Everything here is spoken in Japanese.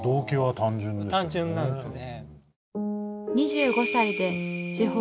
単純なんですね。